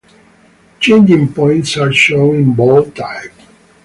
Changing points are shown in bold type.